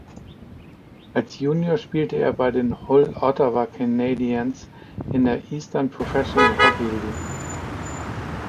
Als Junior spielte er bei den Hull-Ottawa Canadiens in der Eastern Professional Hockey League.